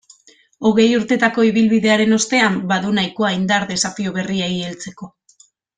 Hogei urtetako ibilbidearen ostean, badu nahikoa indar desafio berriei heltzeko.